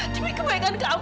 demi kebaikan kamu amirah